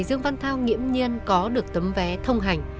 dương văn thao nghiễm nhiên có được tấm vé thông hành